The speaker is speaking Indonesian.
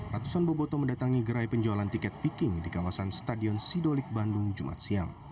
ratusan boboto mendatangi gerai penjualan tiket viking di kawasan stadion sidolik bandung jumat siang